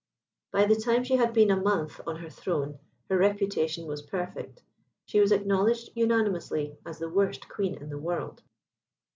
By the time she had been a month on her throne her reputation was perfect. She was acknowledged unanimously as the worst Queen in the world.